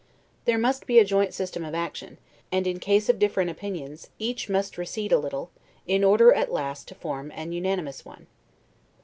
There must be a joint system of action; and, in case of different opinions, each must recede a little, in order at last to form an unanimous one.